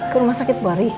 kau rumah sakit baru